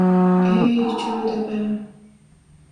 Eý çür depe!